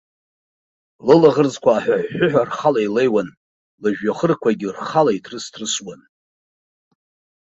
Лылаӷырӡқәа аҳәҳәа-ҳәҳәыҳәа рхала илеиуан, лыжәҩахырқәагь рхала иҭрыс-ҭрысуан.